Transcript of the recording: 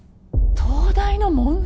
東大の問題？